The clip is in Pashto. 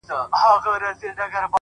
گراني شاعري دغه واوره ته ـ